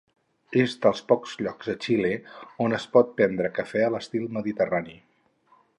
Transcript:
És dels pocs llocs a Xile on es pot prendre cafè a l'estil mediterrani.